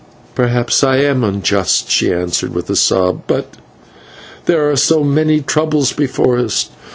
"Perhaps I am unjust," she answered with a sob, "but there are so many troubles before us.